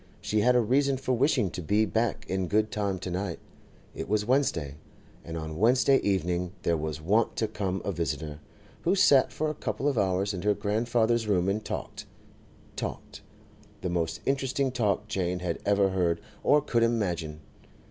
She had a reason for wishing to be back in good time to night; it was Wednesday, and on Wednesday evening there was wont to come a visitor, who sat for a couple of hours in her grandfather's room and talked, talked—the most interesting talk Jane had ever heard or could imagine.